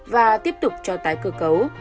và tiếp tục cho tái cơ cấu